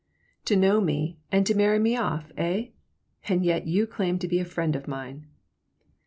"To know me and to marry me off, hey? And yet you claim to be a friend of mine."